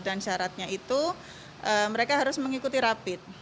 dan syaratnya itu mereka harus mengikuti rapid